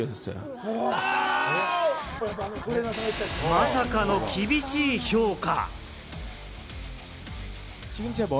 まさかの厳しい評価。